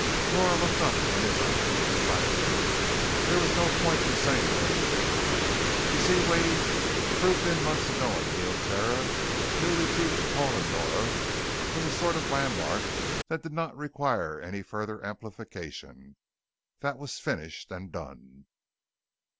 Nora looked up in his eyes. Silently. There was no point in saying anything. The Z wave, proved in months ago on Neoterra, newly proved to Paul and Nora, was a sort of landmark that did not require any further amplification. That was finished and done.